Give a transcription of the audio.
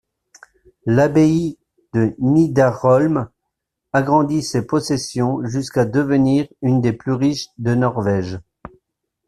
L'abbaye de Nidarholm agrandit ses possessions jusqu'à devenir l'une des plus riches de Norvège.